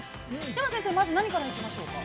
では先生、まず何から行きましょうか。